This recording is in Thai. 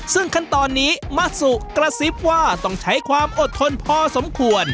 ซึ่งขั้นตอนนี้มะสุกระซิบว่าต้องใช้ความอดทนพอสมควร